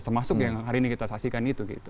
termasuk yang hari ini kita saksikan itu